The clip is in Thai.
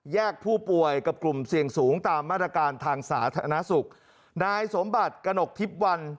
ผู้ป่วยกับกลุ่มเสี่ยงสูงตามมาตรการทางสาธารณสุขนายสมบัติกระหนกทิพย์วัน